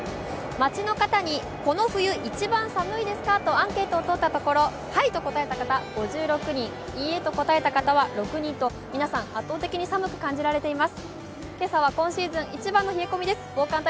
街の方にこの冬一番寒いですかとアンケートをとったところ「はい」と答えた方、５６人いいえと答えた方は６人と、皆さん圧倒的に寒く感じられています。